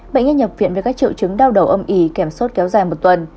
bệnh nhân nhập viện với các triệu chứng đau đầu âm ỉ kèm sốt kéo dài một tuần